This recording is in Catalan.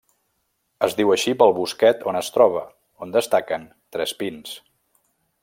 Es diu així pel bosquet on es troba, on destaquen tres pins.